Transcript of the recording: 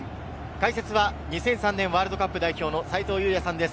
解説は２００３年ワールドカップ代表の斉藤祐也さんです。